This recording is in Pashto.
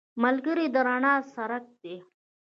ملګری د رڼا څرک دی